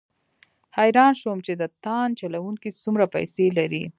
حیران شوم چې د تاند چلوونکي څومره پیسې لري.